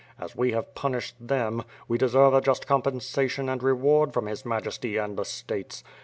As we have punished them, we deserve a just compensation and reward from his Majesty and the States.